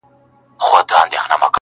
فرمانونه چي خپاره سول په ځنګلو کي،